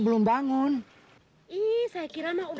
beri duk diamond